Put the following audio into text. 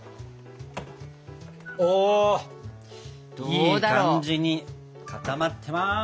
いい感じに固まってます。